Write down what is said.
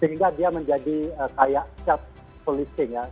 sehingga dia menjadi kayak self policing ya